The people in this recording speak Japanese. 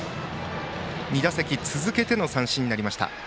２打席続けての三振になりました。